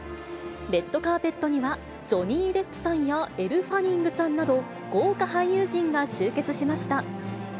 レッドカーペットには、ジョニー・デップさんやエル・ファニングさんなど、豪華俳優陣が集結しました。